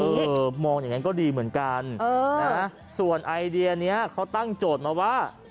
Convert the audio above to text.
เออมองอย่างนั้นก็ดีเหมือนกันส่วนไอเดียนี้เขาตั้งโจทย์มาว่า